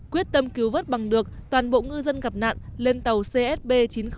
quyết tâm cứu vớt bằng được toàn bộ ngư dân gặp nạn lên tàu csb chín nghìn một